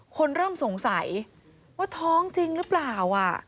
คนเริ่มสงสัยว่าท้องจริงหรือเปล่า